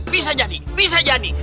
bisa jadi bisa jadi